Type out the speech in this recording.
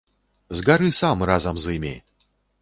Згары сам разам з імі!